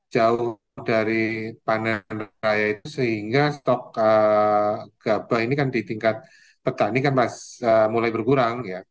jauh dari panen raya itu sehingga stok gabah ini kan di tingkat petani kan mulai berkurang ya